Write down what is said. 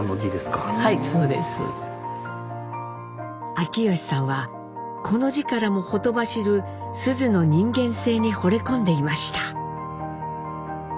秋吉さんはこの字からもほとばしる須壽の人間性にほれ込んでいました。